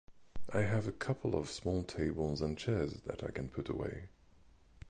I have a couple of small tables and chairs that I can put away.